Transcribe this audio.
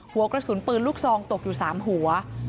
หัวกระสุนปืนลูกซองตกอยู่๓หัว